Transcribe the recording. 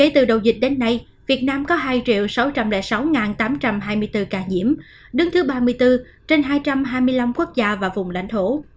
từ đầu dịch đến nay việt nam có hai sáu trăm linh sáu tám trăm hai mươi bốn ca nhiễm đứng thứ ba mươi bốn trên hai trăm hai mươi năm quốc gia và vùng lãnh thổ